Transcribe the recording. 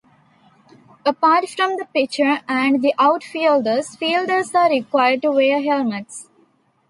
Apart from the pitcher and the outfielders, fielders are required to wear helmets.